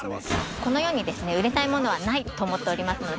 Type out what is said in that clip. この世に売れないものはないと思っておりますので。